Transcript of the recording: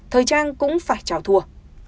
thời trang cũng phải trào thua